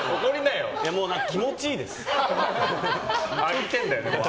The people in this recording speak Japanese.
もう気持ちいいです。